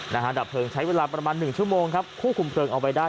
ดับเพลิงใช้เวลาประมาณหนึ่งชั่วโมงครับควบคุมเพลิงเอาไว้ได้